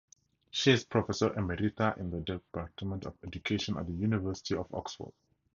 She is Professor Emerita in the Department of Education at the University of Oxford.